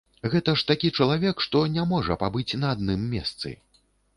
Гэта ж такі чалавек, што не можа пабыць на адным месцы.